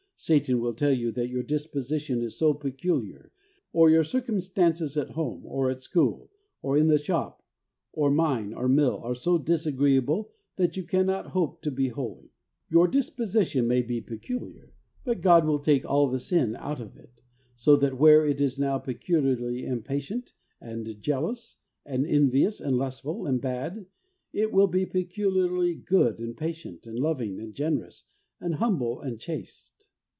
Satan will tell you that your disposition is so peculiar, or your circumstances at home, or at school, or in the shop, or mine, or mill, are so disagreeable that you cannot hope to be holy. Your disposition may be peculiar, but God will take all the sin out of it, so that where it is now peculiarly impatient and jealous, and envious and lustful, and bad, it will be peculiarly good and patient, and loving and generous, and humble and chaste.